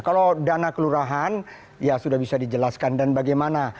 kalau dana kelurahan ya sudah bisa dijelaskan dan bagaimana